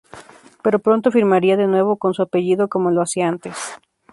Pero pronto firmaría de nuevo con su apellido como lo hacía antes.